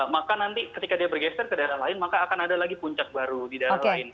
maka nanti ketika dia bergeser ke daerah lain maka akan ada lagi puncak baru di daerah lain